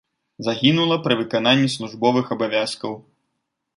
Загінула пры выкананні службовых абавязкаў.